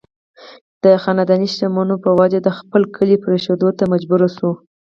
د خانداني دشمنو پۀ وجه د خپل کلي پريښودو ته مجبوره شو